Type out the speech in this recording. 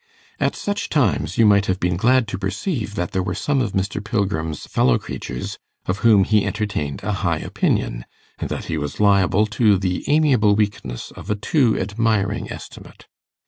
At such times you might have been glad to perceive that there were some of Mr. Pilgrim's fellow creatures of whom he entertained a high opinion, and that he was liable to the amiable weakness of a too admiring estimate.